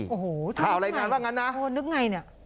โอ้โหถ้าไม่ไงข่าวแหล่งงานว่างั้นนะโอ้โหนึกไงเนี่ย